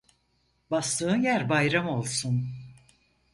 Bastığın yer bayram olsun.